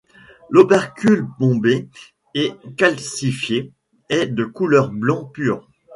L'opercule bombé et calcifié est de couleur blanc pur.